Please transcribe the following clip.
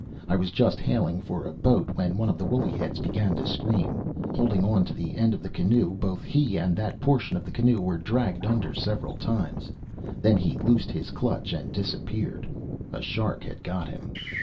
I was just hailing for a boat when one of the woolly heads began to scream. Holding on to the end of the canoe, both he and that portion of the canoe were dragged under several times. Then he loosed his clutch and disappeared. A shark had got him.